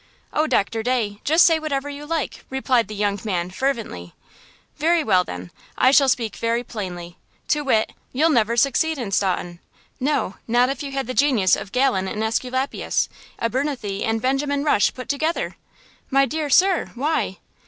"Oh, Doctor Day, just say whatever you like!" replied the young man, fervently. "Very well, then. I shall speak very plainly–to wit–you'll never succeed in Staunton! No, not if you had the genius of Galen and Esculapius, Abernethy and Benjamin Rush put together!" "My dear sir–why?"